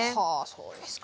そうですか。